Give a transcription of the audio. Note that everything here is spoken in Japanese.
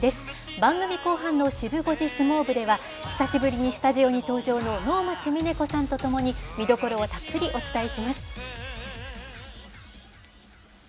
番組後半のシブ５時相撲部では、久しぶりにスタジオに登場の能町みね子さんと共に、見どころをたっぷりお伝えします。